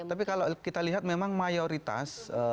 tapi kalau kita lihat memang mayoritas